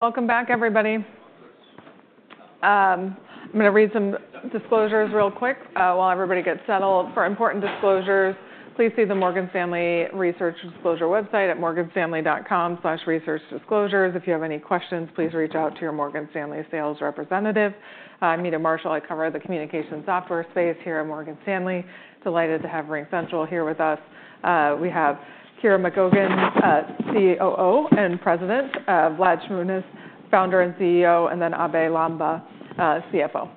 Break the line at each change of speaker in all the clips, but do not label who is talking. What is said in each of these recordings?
Welcome back, everybody. I'm going to read some disclosures real quick while everybody gets settled. For important disclosures, please see the Morgan Stanley Research Disclosure website at morganstanley.com/researchdisclosures. If you have any questions, please reach out to your Morgan Stanley sales representative. I'm Meta Marshall. I cover the communication software space here at Morgan Stanley. Delighted to have RingCentral here with us. We have Kira Makagon, COO and President, Vlad Shmunis, Founder and CEO, and then Abhey Lamba, CFO.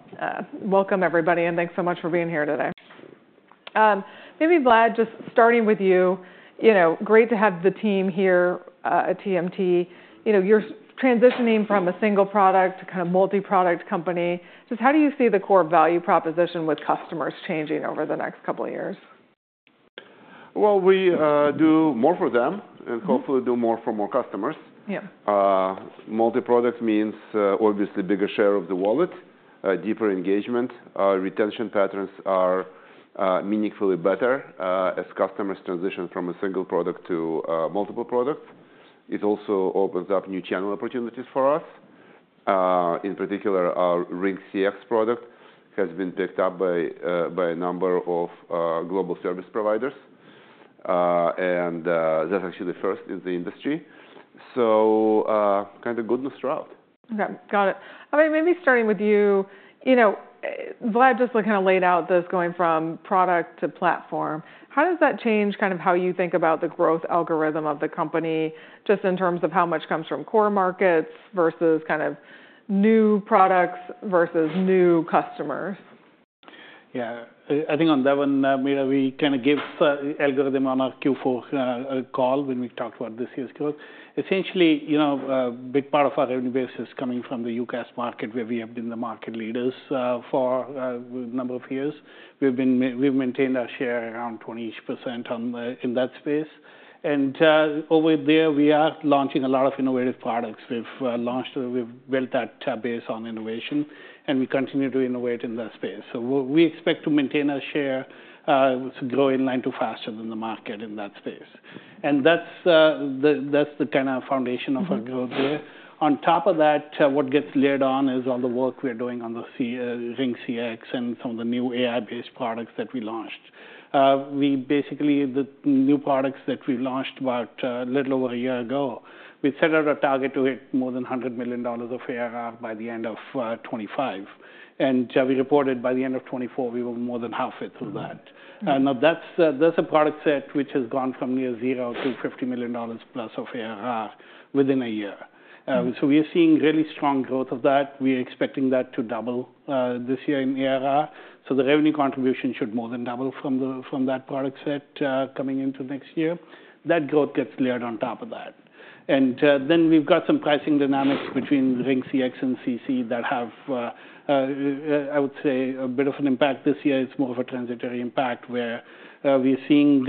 Welcome, everybody, and thanks so much for being here today. Maybe, Vlad, just starting with you, great to have the team here at TMT. You're transitioning from a single product to kind of multi-product company. Just how do you see the core value proposition with customers changing over the next couple of years?
We do more for them and hopefully do more for more customers. Multi-product means, obviously, a bigger share of the wallet, deeper engagement, retention patterns are meaningfully better as customers transition from a single product to multiple products. It also opens up new channel opportunities for us. In particular, our RingCX product has been picked up by a number of global service providers, and that's actually the first in the industry. Kind of goodness throughout.
Got it. I mean, maybe starting with you, Vlad just kind of laid out this going from product to platform. How does that change kind of how you think about the growth algorithm of the company, just in terms of how much comes from core markets versus kind of new products versus new customers?
Yeah. I think on that one, Mira, we kind of gave the algorithm on our Q4 call when we talked about this year's growth. Essentially, a big part of our revenue base is coming from the UCaaS market, where we have been the market leaders for a number of years. We've maintained our share around 20% in that space, and over there, we are launching a lot of innovative products. We've built that base on innovation, and we continue to innovate in that space, so we expect to maintain our share, grow in line to faster than the market in that space, and that's the kind of foundation of our growth there. On top of that, what gets layered on is all the work we're doing on the RingCX and some of the new AI-based products that we launched. Basically, the new products that we launched about a little over a year ago, we set out a target to hit more than $100 million of ARR by the end of 2025, and we reported by the end of 2024, we were more than halfway through that. Now, that's a product set which has gone from near zero to $50 million plus of ARR within a year, so we are seeing really strong growth of that. We are expecting that to double this year in ARR, so the revenue contribution should more than double from that product set coming into next year. That growth gets layered on top of that, and then we've got some pricing dynamics between RingCX and CC that have, I would say, a bit of an impact this year. It's more of a transitory impact, where we're seeing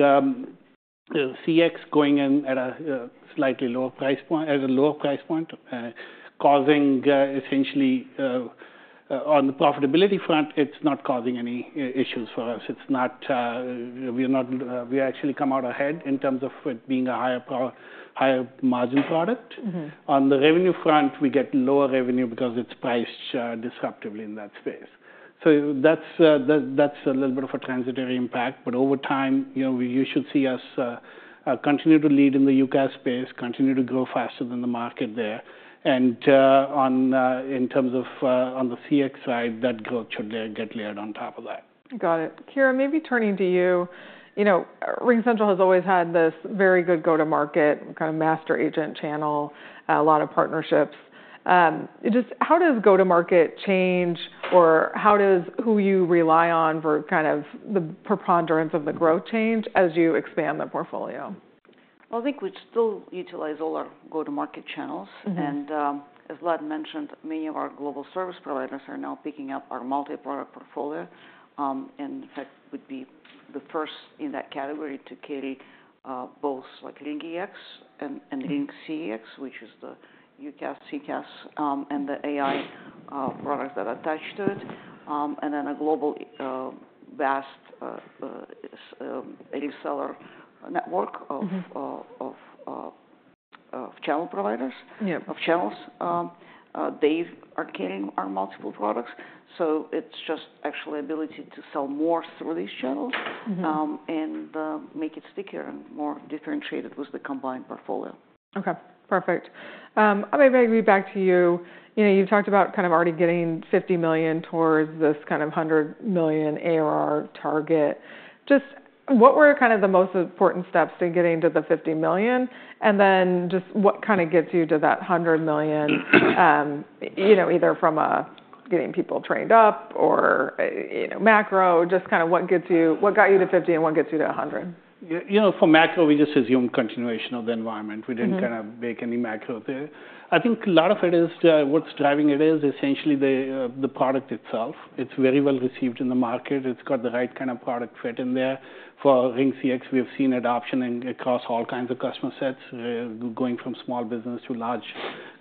CX going in at a slightly lower price point, causing essentially on the profitability front, it's not causing any issues for us. We actually come out ahead in terms of it being a higher margin product. On the revenue front, we get lower revenue because it's priced disruptively in that space. So that's a little bit of a transitory impact. But over time, you should see us continue to lead in the UCaaS space, continue to grow faster than the market there. And in terms of on the CX side, that growth should get layered on top of that.
Got it. Kira, maybe turning to you, RingCentral has always had this very good go-to-market, kind of master agent channel, a lot of partnerships. Just how does go-to-market change or how does who you rely on for kind of the preponderance of the growth change as you expand the portfolio?
I think we still utilize all our go-to-market channels. As Vlad mentioned, many of our global service providers are now picking up our multi-product portfolio. In fact, we'd be the first in that category to carry both RingCX and RingEX, which is the UCaaS, CCaaS, and the AI products that are attached to it. Then a global vast reseller network of channel providers, of channels. They are carrying our multiple products. It's just actually the ability to sell more through these channels and make it stickier and more differentiated with the combined portfolio.
Okay. Perfect. I'm going to maybe back to you. You talked about kind of already getting $50 million towards this kind of $100 million ARR target. Just what were kind of the most important steps to getting to the $50 million? And then just what kind of gets you to that $100 million, either from getting people trained up or macro, just kind of what got you to $50 and what gets you to $100?
You know, for macro, we just assume continuation of the environment. We didn't kind of make any macro there. I think a lot of it is what's driving it is essentially the product itself. It's very well received in the market. It's got the right kind of product fit in there. For RingCX, we have seen adoption across all kinds of customer sets, going from small business to large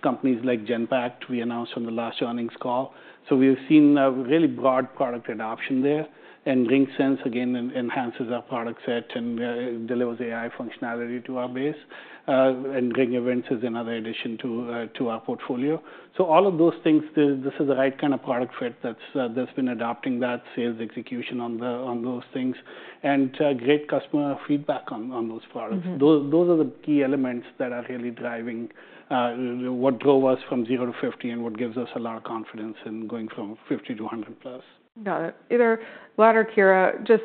companies like Genpact, we announced on the last earnings call. So we have seen a really broad product adoption there. And RingSense, again, enhances our product set and delivers AI functionality to our base. And Ring Events is another addition to our portfolio. So all of those things, this is the right kind of product fit that's been adopting that sales execution on those things and great customer feedback on those products. Those are the key elements that are really driving what drove us from zero to $50 and what gives us a lot of confidence in going from $50 to $100 plus.
Got it. Either Vlad or Kira, just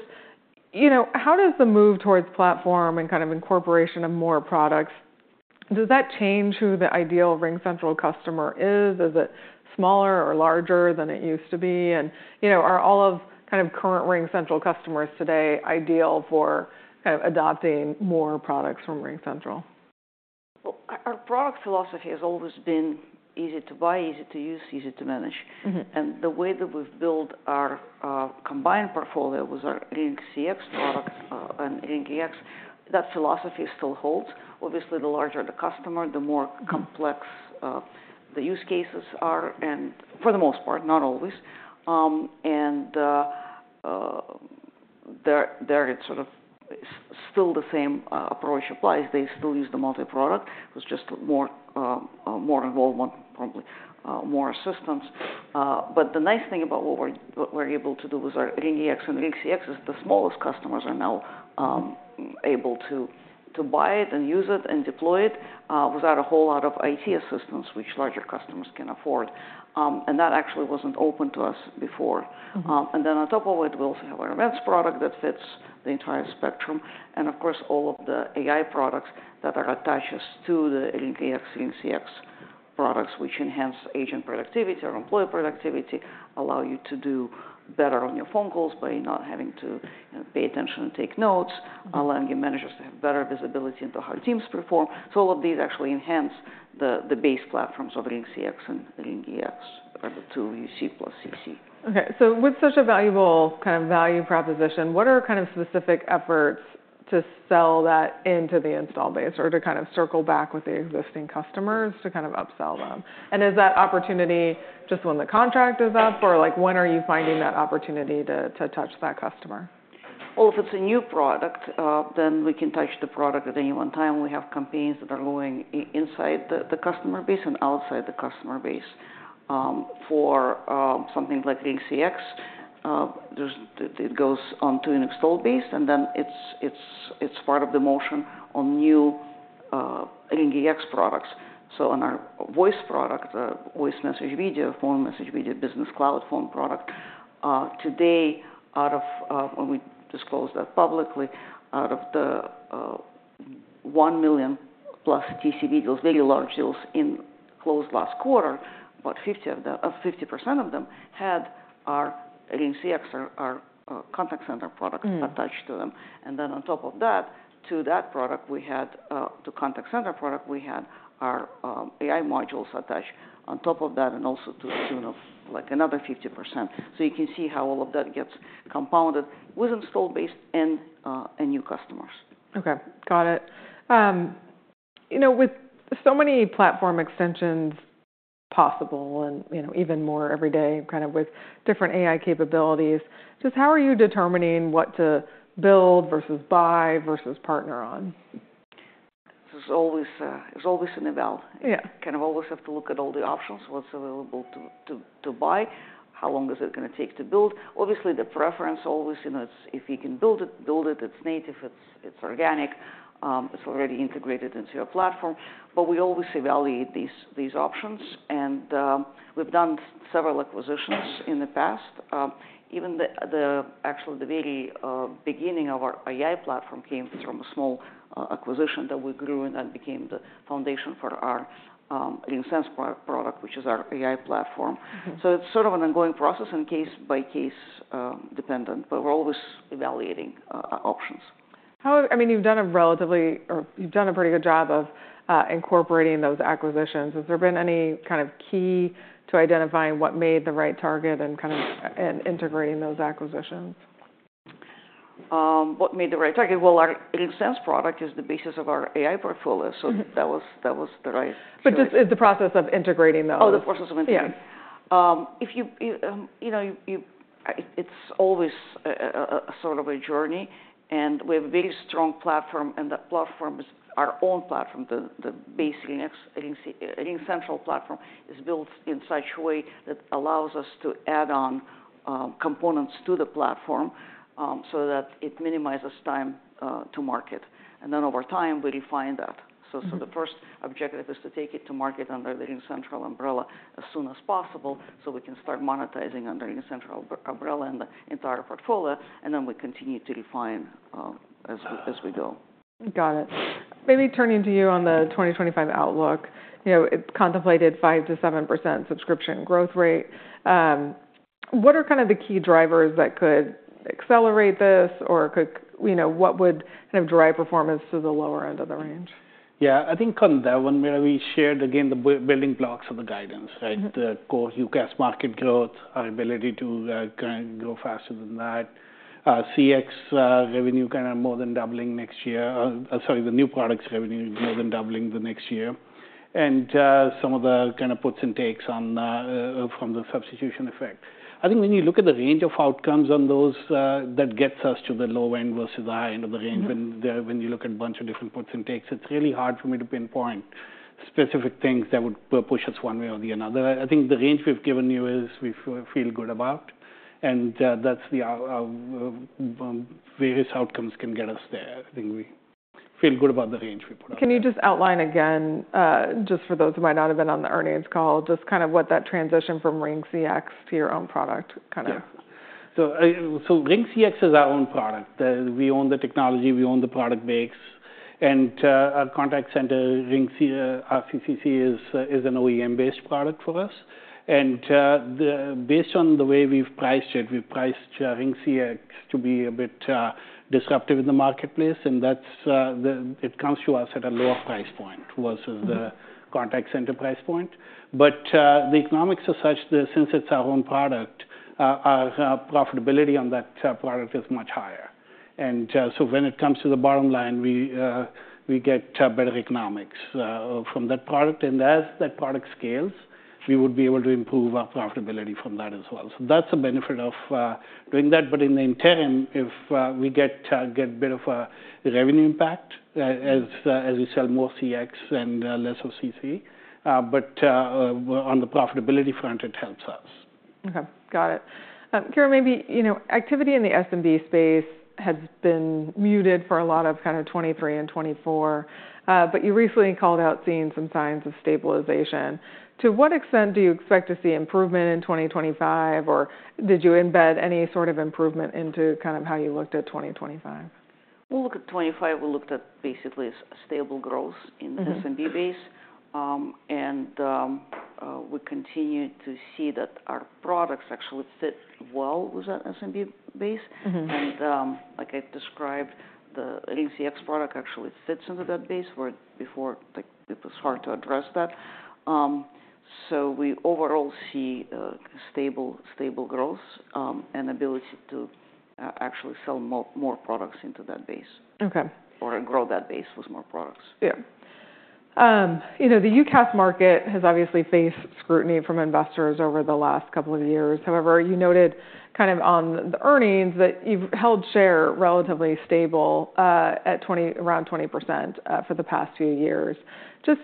how does the move towards platform and kind of incorporation of more products, does that change who the ideal RingCentral customer is? Is it smaller or larger than it used to be? And are all of kind of current RingCentral customers today ideal for kind of adopting more products from RingCentral?
Our product philosophy has always been easy to buy, easy to use, easy to manage, and the way that we've built our combined portfolio with our RingCX product and RingEX, that philosophy still holds. Obviously, the larger the customer, the more complex the use cases are, and for the most part, not always, and there it's sort of still the same approach applies. They still use the multi-product. It was just more involvement, probably more assistance, but the nice thing about what we're able to do with our RingEX and RingCX is the smallest customers are now able to buy it and use it and deploy it without a whole lot of IT assistance, which larger customers can afford, and that actually wasn't open to us before, and then on top of it, we also have our events product that fits the entire spectrum. And of course, all of the AI products that are attached to the RingEX, RingCX products, which enhance agent productivity or employee productivity, allow you to do better on your phone calls by not having to pay attention and take notes, allowing your managers to have better visibility into how teams perform. So all of these actually enhance the base platforms of RingCX and RingEX, the two you see plus CC.
Okay, so with such a valuable kind of value proposition, what are kind of specific efforts to sell that into the install base or to kind of circle back with the existing customers to kind of upsell them? And is that opportunity just when the contract is up, or when are you finding that opportunity to touch that customer?
If it's a new product, then we can touch the product at any one time. We have campaigns that are going inside the customer base and outside the customer base. For something like RingCX, it goes onto an install base, and then it's part of the motion on new RingEX products. Our voice product, voice message video, phone message video, business cloud phone product, today, out of when we disclosed that publicly, out of the 1 million plus TCV deals, very large deals we closed last quarter, about 50% of them had our RingCX, our contact center products attached to them. And then on top of that, to that product, we had the contact center product, we had our AI modules attached on top of that, and also to another 50%. You can see how all of that gets compounded with install base and new customers.
Okay. Got it. With so many platform extensions possible and even more every day kind of with different AI capabilities, just how are you determining what to build versus buy versus partner on?
There's always a level. You kind of always have to look at all the options, what's available to buy, how long is it going to take to build. Obviously, the preference always if you can build it, build it. It's native. It's organic. It's already integrated into your platform. But we always evaluate these options. And we've done several acquisitions in the past. Even actually the very beginning of our AI platform came from a small acquisition that we grew and that became the foundation for our RingSense product, which is our AI platform. So it's sort of an ongoing process and case-by-case dependent. But we're always evaluating options.
I mean, you've done a pretty good job of incorporating those acquisitions. Has there been any kind of key to identifying what made the right target and kind of integrating those acquisitions?
What made the right target? Well, our RingSense product is the basis of our AI portfolio. So that was the right.
But just the process of integrating those.
Oh, the process of integrating.
Yeah.
It's always sort of a journey. And we have a very strong platform. And that platform is our own platform. The basic RingCentral platform is built in such a way that allows us to add on components to the platform so that it minimizes time to market. And then over time, we refine that. So the first objective is to take it to market under the RingCentral umbrella as soon as possible so we can start monetizing under RingCentral umbrella and the entire portfolio. And then we continue to refine as we go.
Got it. Maybe turning to you on the 2025 outlook. It contemplated 5%-7% subscription growth rate. What are kind of the key drivers that could accelerate this, or what would kind of drive performance to the lower end of the range?
Yeah. I think on that one, we shared again the building blocks of the guidance, right? The core UCaaS market growth, our ability to grow faster than that. CX revenue kind of more than doubling next year. Sorry, the new products revenue more than doubling the next year. And some of the kind of puts and takes from the substitution effect. I think when you look at the range of outcomes on those, that gets us to the low end versus the high end of the range. When you look at a bunch of different puts and takes, it's really hard for me to pinpoint specific things that would push us one way or the another. I think the range we've given you is we feel good about. And that's the various outcomes can get us there. I think we feel good about the range we put out.
Can you just outline again, just for those who might not have been on the earnings call, just kind of what that transition from RingCX to your own product kind of?
Yeah. So RingCX is our own product. We own the technology. We own the product base. And our contact center, RingCCC, is an OEM-based product for us. And based on the way we've priced it, we've priced RingCX to be a bit disruptive in the marketplace. And it comes to us at a lower price point versus the contact center price point. But the economics are such that since it's our own product, our profitability on that product is much higher. And so when it comes to the bottom line, we get better economics from that product. And as that product scales, we would be able to improve our profitability from that as well. So that's a benefit of doing that. But in the interim, if we get a bit of a revenue impact as we sell more CX and less of CC, but on the profitability front, it helps us.
Okay. Got it. Kira, maybe activity in the SMB space has been muted for a lot of kind of 2023 and 2024. But you recently called out seeing some signs of stabilization. To what extent do you expect to see improvement in 2025, or did you embed any sort of improvement into kind of how you looked at 2025?
Look at 2025. We looked at basically a stable growth in the SMB base. We continue to see that our products actually fit well with that SMB base. Like I described, the RingCX product actually fits into that base where before it was hard to address that. We overall see stable growth and ability to actually sell more products into that base or grow that base with more products.
Yeah. The UCaaS market has obviously faced scrutiny from investors over the last couple of years. However, you noted kind of on the earnings that you've held share relatively stable at around 20% for the past few years. Just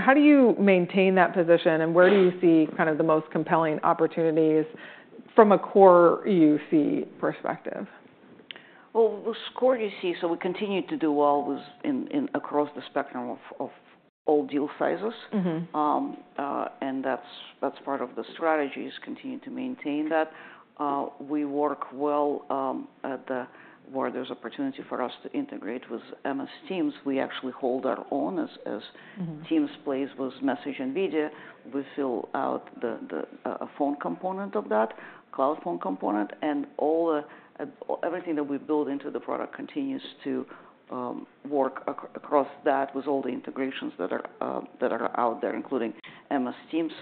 how do you maintain that position, and where do you see kind of the most compelling opportunities from a core UC perspective?
The core UC, so we continue to do well across the spectrum of all deal sizes. That's part of the strategy is continue to maintain that. We work well where there's opportunity for us to integrate with MS Teams. We actually hold our own as Teams plays with messaging and video. We fill out the phone component of that, cloud phone component. Everything that we build into the product continues to work across that with all the integrations that are out there, including MS Teams.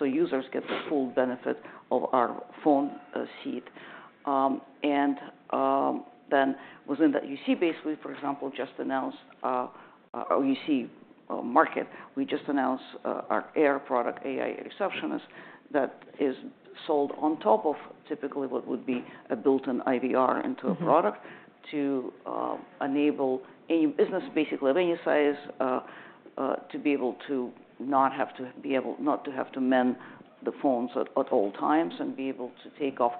Users get the full benefit of our phone seat. Then within that UC base, we've, for example, just announced our UC market. We just announced our AI product, AI Receptionist, that is sold on top of typically what would be a built-in IVR into a product to enable any business, basically of any size, to be able to not have to man the phones at all times and be able to take off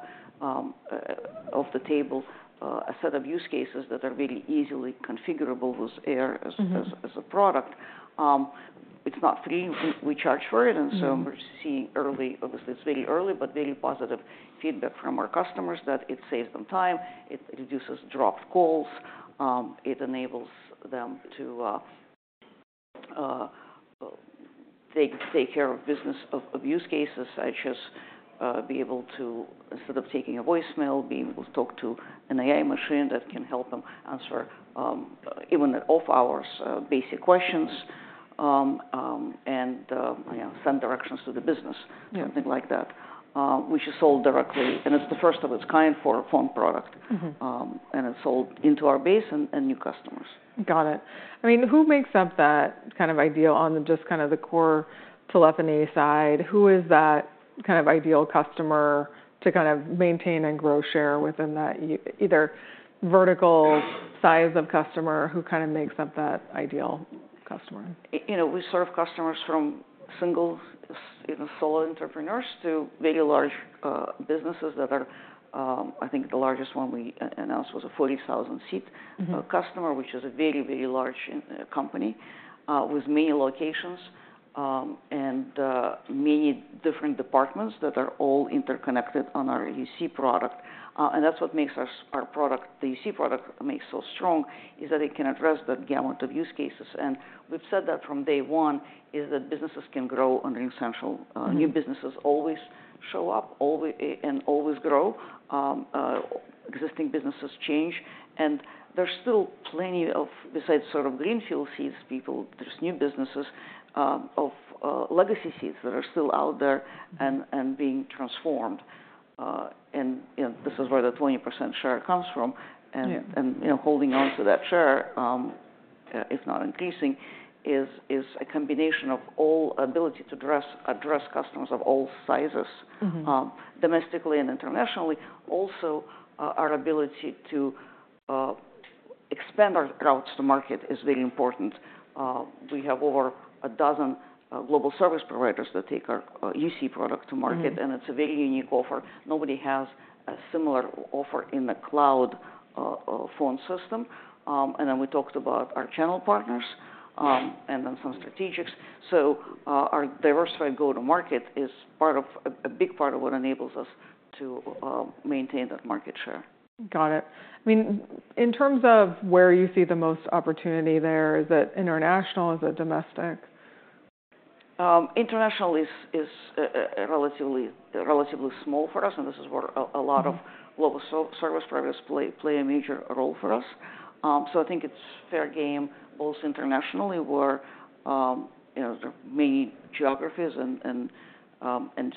of the table a set of use cases that are very easily configurable with AI as a product. It's not free. We charge for it. And so we're seeing early, obviously, it's very early, but very positive feedback from our customers that it saves them time. It reduces dropped calls. It enables them to take care of business of use cases such as be able to, instead of taking a voicemail, be able to talk to an AI machine that can help them answer even off-hours basic questions and send directions to the business, something like that, which is sold directly. And it's the first of its kind for a phone product. And it's sold into our base and new customers.
Got it. I mean, who makes up that kind of ideal on just kind of the core telephony side? Who is that kind of ideal customer to kind of maintain and grow share within that either vertical size of customer who kind of makes up that ideal customer?
We serve customers from single solo entrepreneurs to very large businesses that are, I think the largest one we announced was a 40,000 seat customer, which is a very, very large company with many locations and many different departments that are all interconnected on our UC product. And that's what makes our product, the UC product, makes so strong is that it can address that gamut of use cases. And we've said that from day one is that businesses can grow on RingCentral. New businesses always show up and always grow. Existing businesses change. And there's still plenty of, besides sort of greenfield seeds, people, there's new businesses of legacy seeds that are still out there and being transformed. And this is where the 20% share comes from. And holding on to that share, if not increasing, is a combination of all ability to address customers of all sizes domestically and internationally. Also, our ability to expand our routes to market is very important. We have over a dozen global service providers that take our UC product to market. And it's a very unique offer. Nobody has a similar offer in the cloud phone system. And then we talked about our channel partners and then some strategics. So our diversified go-to-market is part of a big part of what enables us to maintain that market share.
Got it. I mean, in terms of where you see the most opportunity there, is it international? Is it domestic?
International is relatively small for us, and this is where a lot of global service providers play a major role for us, so I think it's fair game both internationally, where there are many geographies and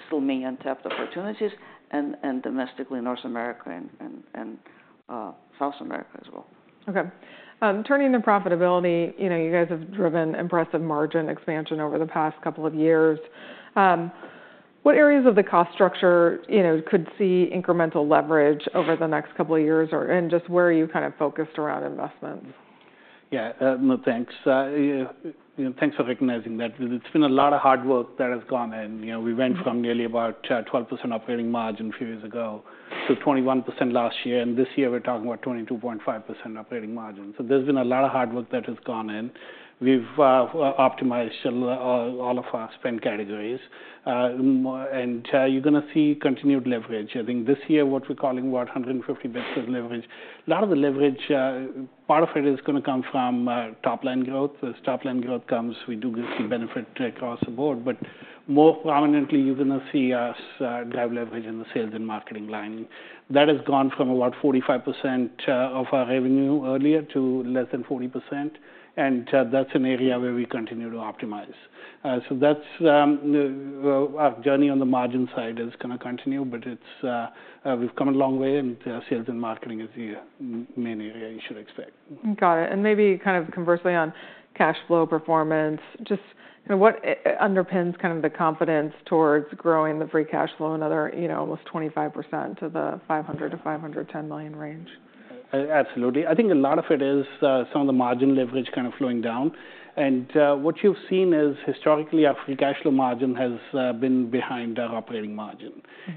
still many untapped opportunities, and domestically, North America and South America as well.
Okay. Turning to profitability, you guys have driven impressive margin expansion over the past couple of years. What areas of the cost structure could see incremental leverage over the next couple of years? And just where are you kind of focused around investments?
Yeah. No, thanks. Thanks for recognizing that. It's been a lot of hard work that has gone in. We went from nearly about 12% operating margin a few years ago to 21% last year, and this year we're talking about 22.5% operating margin, so there's been a lot of hard work that has gone in. We've optimized all of our spend categories, and you're going to see continued leverage. I think this year, what we're calling about 150 basis points of leverage. A lot of the leverage, part of it is going to come from top-line growth. As top-line growth comes, we do see benefit across the board, but more prominently, you're going to see us drive leverage in the sales and marketing line. That has gone from about 45% of our revenue earlier to less than 40%, and that's an area where we continue to optimize. So our journey on the margin side is going to continue. But we've come a long way. And sales and marketing is the main area you should expect.
Got it. And maybe kind of conversely on cash flow performance, just what underpins kind of the confidence towards growing the free cash flow another almost 25% to the $500 million-$510 million range?
Absolutely. I think a lot of it is some of the margin leverage kind of flowing down, and what you've seen is historically, our free cash flow margin has been behind our operating margin.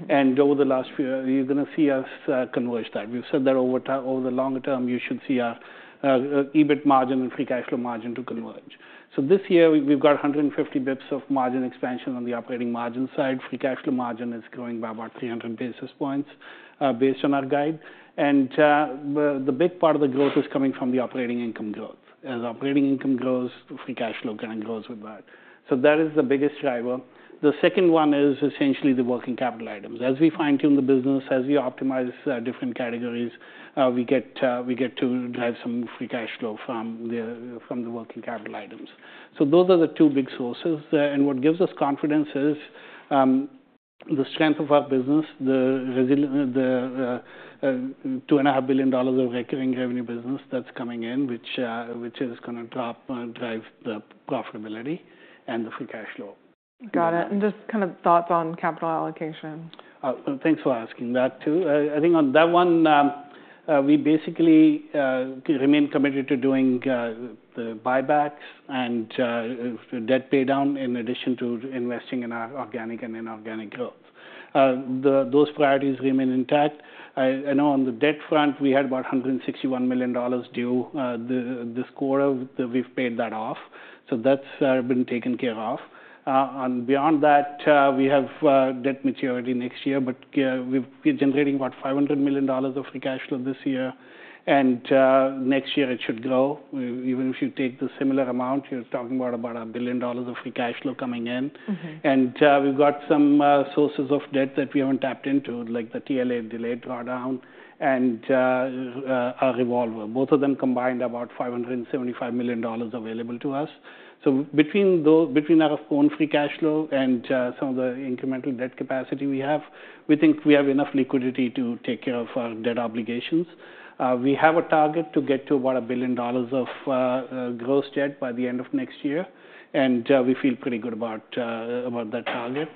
And over the last few years, you're going to see us converge that. We've said that over the longer term, you should see our EBIT margin and free cash flow margin to converge, so this year, we've got 150 basis points of margin expansion on the operating margin side. Free cash flow margin is growing by about 300 basis points based on our guide, and the big part of the growth is coming from the operating income growth. As operating income grows, free cash flow kind of grows with that, so that is the biggest driver. The second one is essentially the working capital items. As we fine-tune the business, as we optimize different categories, we get to drive some free cash flow from the working capital items. So those are the two big sources. And what gives us confidence is the strength of our business, the $2.5 billion of recurring revenue business that's coming in, which is going to drive the profitability and the free cash flow.
Got it and just kind of thoughts on capital allocation?
Thanks for asking that too. I think on that one, we basically remain committed to doing the buybacks and debt paydown in addition to investing in our organic and inorganic growth. Those priorities remain intact. I know on the debt front, we had about $161 million due. Therefore we've paid that off. So that's been taken care of. And beyond that, we have debt maturity next year. But we're generating about $500 million of free cash flow this year. And next year, it should grow. Even if you take the similar amount, you're talking about $1 billion of free cash flow coming in. And we've got some sources of debt that we haven't tapped into, like the TLA delayed drawdown and a revolver. Both of them combined about $575 million available to us. So between our own free cash flow and some of the incremental debt capacity we have, we think we have enough liquidity to take care of our debt obligations. We have a target to get to about $1 billion of gross debt by the end of next year. And we feel pretty good about that target.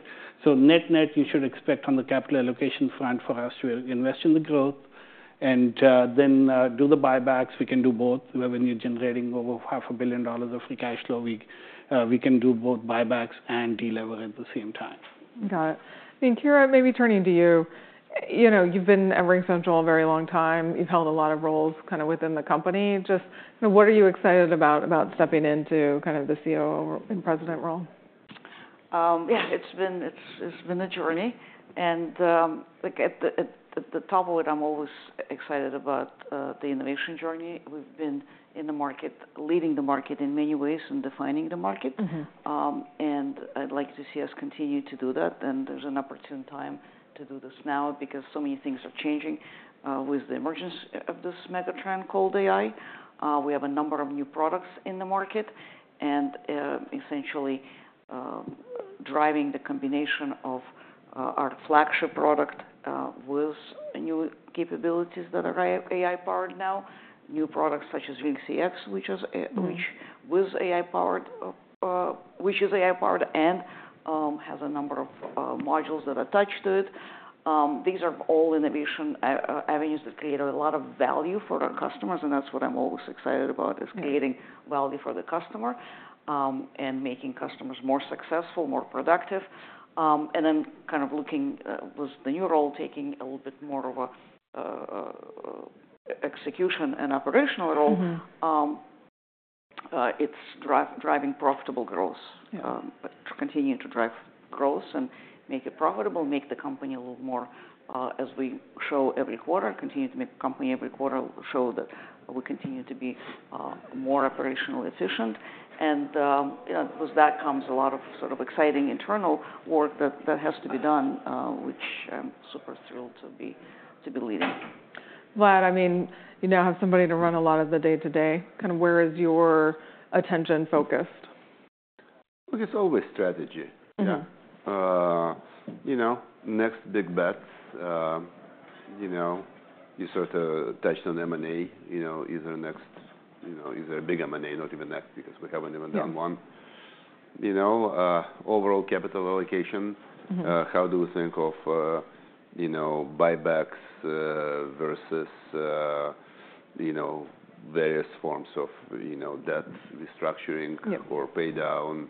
So net net, you should expect on the capital allocation front for us to invest in the growth and then do the buybacks. We can do both. When you're generating over $500 million of free cash flow, we can do both buybacks and deleverage at the same time.
Got it. I mean, Kira, maybe turning to you. You've been at RingCentral a very long time. You've held a lot of roles kind of within the company. Just what are you excited about stepping into kind of the COO and president role?
Yeah, it's been a journey. And at the top of it, I'm always excited about the innovation journey. We've been in the market, leading the market in many ways and defining the market. And I'd like to see us continue to do that. And there's an opportune time to do this now because so many things are changing with the emergence of this megatrend called AI. We have a number of new products in the market and essentially driving the combination of our flagship product with new capabilities that are AI-powered now, new products such as RingCX, which is AI-powered and has a number of modules that attach to it. These are all innovation avenues that create a lot of value for our customers. And that's what I'm always excited about, is creating value for the customer and making customers more successful, more productive. And then, kind of looking with the new role taking a little bit more of an execution and operational role, it's driving profitable growth, continuing to drive growth and make it profitable, make the company a little more, as we show every quarter, continue to make the company every quarter show that we continue to be more operationally efficient, and with that comes a lot of sort of exciting internal work that has to be done, which I'm super thrilled to be leading.
Vlad, I mean, you now have somebody to run a lot of the day-to-day. Kind of where is your attention focused?
It's always strategy. Next big bets. You sort of touched on M&A. Is there a next big M&A? Not even next because we haven't even done one. Overall capital allocation, how do we think of buybacks versus various forms of debt restructuring or paydown?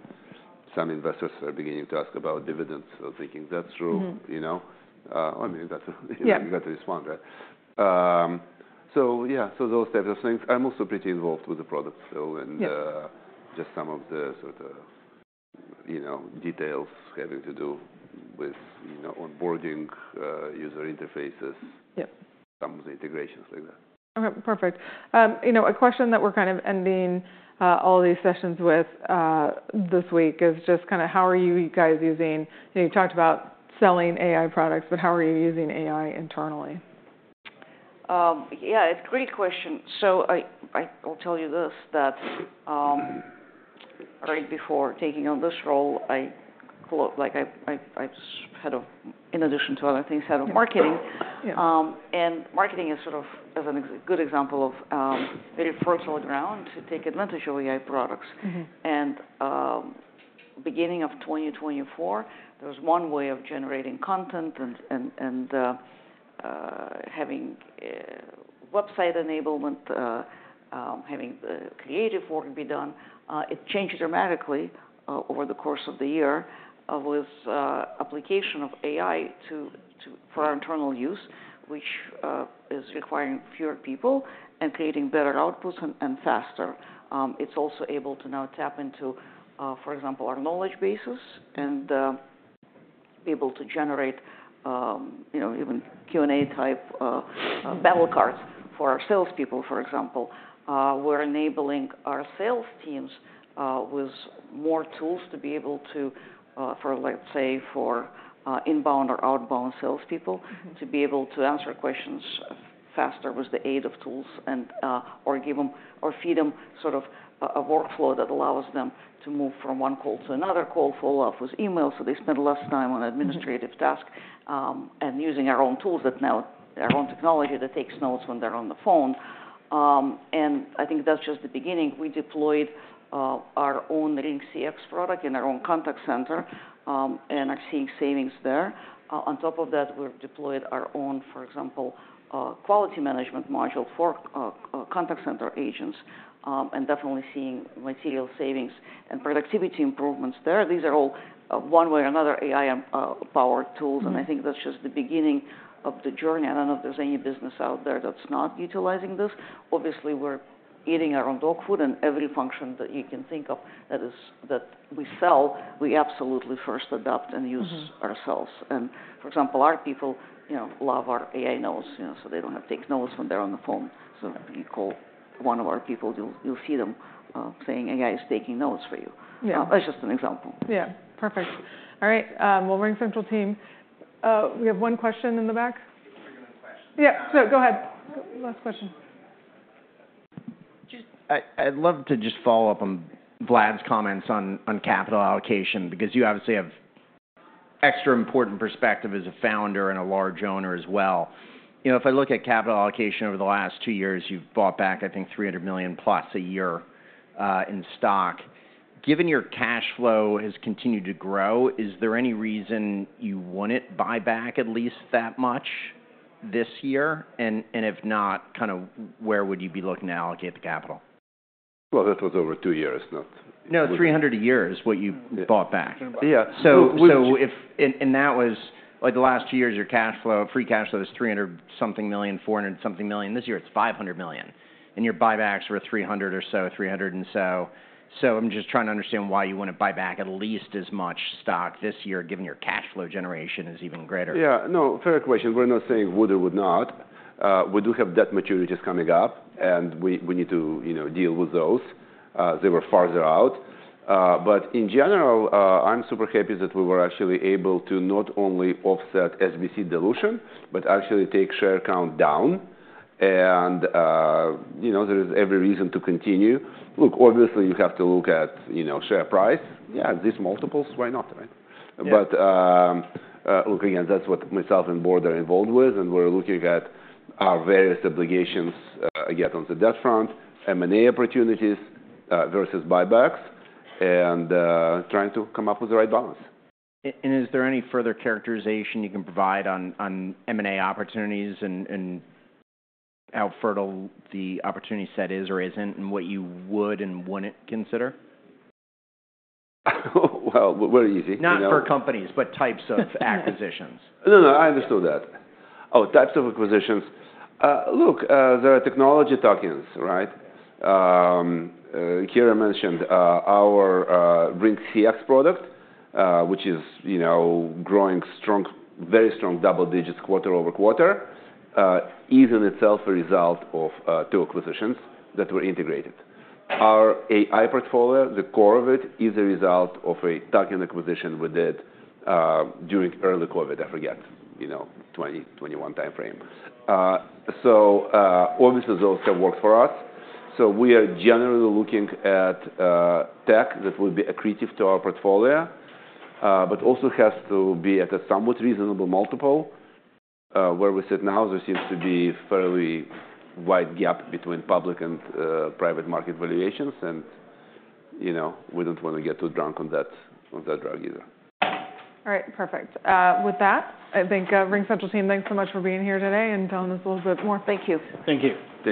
Some investors are beginning to ask about dividends. So thinking, that's true. I mean, you got to respond, right? So yeah, so those types of things. I'm also pretty involved with the product still and just some of the sort of details having to do with onboarding user interfaces, some of the integrations like that.
Okay. Perfect. A question that we're kind of ending all these sessions with this week is just kind of how are you guys using? You talked about selling AI products, but how are you using AI internally?
Yeah, it's a great question. So I'll tell you this that right before taking on this role, I was head of, in addition to other things, head of marketing. And marketing is sort of a good example of very fertile ground to take advantage of AI products. And beginning of 2024, there was one way of generating content and having website enablement, having creative work be done. It changed dramatically over the course of the year with application of AI for our internal use, which is requiring fewer people and creating better outputs and faster. It's also able to now tap into, for example, our knowledge bases and be able to generate even Q&A type battle cards for our salespeople, for example. We're enabling our sales teams with more tools to be able to, let's say, for inbound or outbound salespeople, to be able to answer questions faster with the aid of tools and or feed them sort of a workflow that allows them to move from one call to another call, follow up with emails. So they spend less time on administrative tasks and using our own tools that now, our own technology that takes notes when they're on the phone. And I think that's just the beginning. We deployed our own RingCX product in our own contact center and are seeing savings there. On top of that, we've deployed our own, for example, quality management module for contact center agents and definitely seeing material savings and productivity improvements there. These are all one way or another AI-powered tools. And I think that's just the beginning of the journey. I don't know if there's any business out there that's not utilizing this. Obviously, we're eating our own dog food, and every function that you can think of that we sell, we absolutely first adopt and use ourselves, and for example, our people love our AI notes, so they don't have to take notes when they're on the phone, so if you call one of our people, you'll see them saying, "AI is taking notes for you." That's just an example.
Yeah. Perfect. All right. Well, RingCentral team, we have one question in the back. Regular questions. Yeah. No, go ahead. Last question. I'd love to just follow up on Vlad's comments on capital allocation because you obviously have extra important perspective as a founder and a large owner as well. If I look at capital allocation over the last two years, you've bought back, I think, $300 million plus a year in stock. Given your cash flow has continued to grow, is there any reason you wouldn't buy back at least that much this year, and if not, kind of where would you be looking to allocate the capital?
That was over two years, not. No, $300 million what you bought back. Yeah. So, in the last two years, your cash flow, free cash flow is $300-something million, $400-something million. This year, it's $500 million. And your buybacks were $300 or so, $300 and so. So I'm just trying to understand why you wouldn't buy back at least as much stock this year, given your cash flow generation is even greater. Yeah. No, fair question. We're not saying would or would not. We do have debt maturities coming up, and we need to deal with those. They were farther out. But in general, I'm super happy that we were actually able to not only offset SBC dilution, but actually take share count down. And there is every reason to continue. Look, obviously, you have to look at share price. Yeah, these multiples, why not, right? But look, again, that's what myself and Board are involved with. And we're looking at our various obligations again on the debt front, M&A opportunities versus buybacks, and trying to come up with the right balance. Is there any further characterization you can provide on M&A opportunities and how fertile the opportunity set is or isn't and what you would and wouldn't consider? Well, very easy. Not for companies, but types of acquisitions. No, no, I understood that. Oh, types of acquisitions. Look, there are technology tuck-ins, right? Kira mentioned our RingCX product, which is growing very strong double digits quarter over quarter, is in itself a result of two acquisitions that were integrated. Our AI portfolio, the core of it, is a result of a tuck-in acquisition we did during early COVID, I forget, 2021 timeframe. So obviously, those have worked for us. So we are generally looking at tech that will be accretive to our portfolio, but also has to be at a somewhat reasonable multiple. Where we sit now, there seems to be a fairly wide gap between public and private market valuations, and we don't want to get too drunk on that drug either.
All right. Perfect. With that, I think RingCentral team, thanks so much for being here today and telling us a little bit more.
Thank you. Thank you.